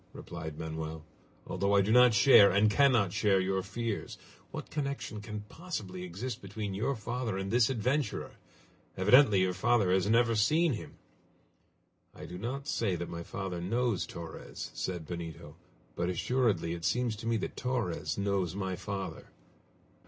replied Manoel, "although I do not share, and cannot share, your fears! What connection can possibly exist between your father and this adventurer? Evidently your father has never seen him!" "I do not say that my father knows Torres," said Benito; "but assuredly it seems to me that Torres knows my father.